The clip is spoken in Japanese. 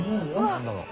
何だろう？